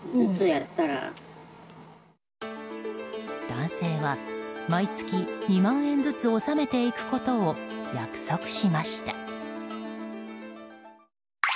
男性は毎月２万円ずつ納めていくことを約束しました。